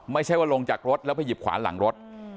ไม่ใช่ว่าลงจากรถแล้วไปหยิบขวานหลังรถ